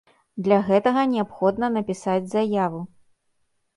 Для гэтага неабходна напісаць заяву.